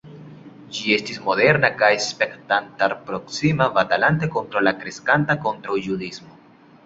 Ĝi estis moderna kaj spektantarproksima batalante kontraŭ la kreskanta kontraŭjudismo.